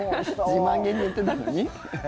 自慢げに言ってたのに。